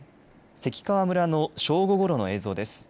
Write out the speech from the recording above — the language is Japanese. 関川村の正午ごろの映像です。